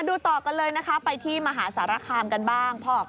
ดูต่อกันเลยนะคะไปที่มหาสารคามกันบ้าง